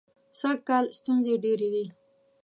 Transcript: سږکال ستونزې ډېرې وې.